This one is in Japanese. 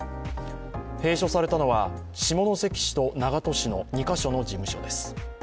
閉所されたのは下関市と長門市の２か所の事務所です。